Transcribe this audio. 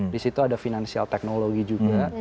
disitu ada financial technology juga